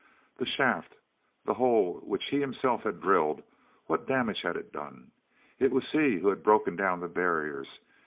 That shaft, the hole which he himself had drilled—what damage had it done? It was he who had broken down the barriers.